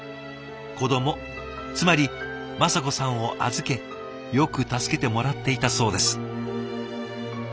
子どもつまり雅子さんを預けよく助けてもらっていたそうです。